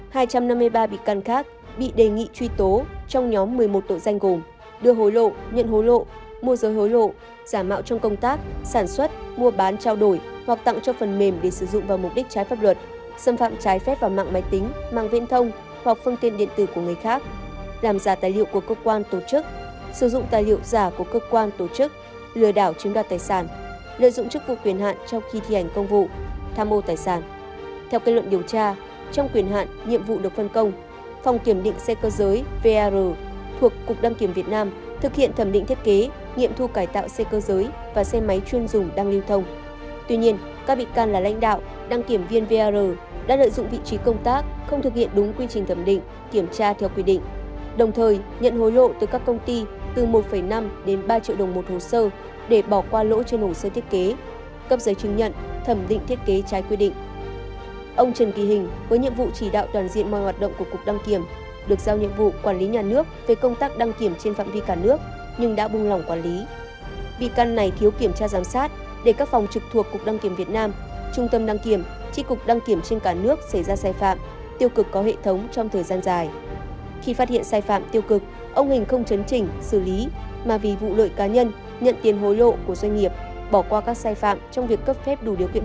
trước đó hai trăm năm mươi ba bị can khác bị đề nghị truy tố trong nhóm một mươi một tội danh gồm đưa hối lộ nhận hối lộ mua rời hối lộ giả mạo trong công tác sản xuất mua bán trao đổi hoặc tặng cho phần mềm để sử dụng vào mục đích trái pháp luật xâm phạm trái phép vào mạng máy tính mạng viễn thông hoặc phương tiên điện tử của người khác làm giả tài liệu của cơ quan tổ chức sử dụng tài liệu giả của cơ quan tổ chức lừa đảo chiếm đoạt tài sản lợi dụng chức vụ quyền hạn trong khi thi hành công vụ tham m